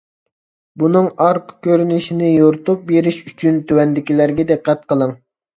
بۇنىڭ ئارقا كۆرۈنۈشىنى يورۇتۇپ بېرىش ئۈچۈن تۆۋەندىكىلەرگە دىققەت قىلىڭ.